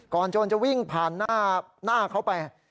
โจรจะวิ่งผ่านหน้าเขาไป